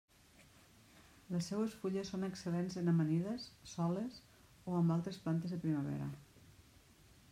Les seues fulles són excel·lents en amanides, soles o amb altres plantes de primavera.